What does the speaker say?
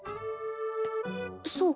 そう。